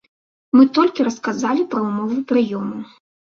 Мы толькі расказалі пра ўмовы прыёму.